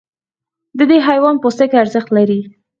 د دې حیوان پوستکی ارزښت لري.